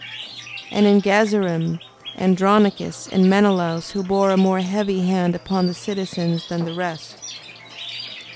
And in Gazarim, Andronicus and Menelaus, who bore a more heavy hand upon the citizens than the rest.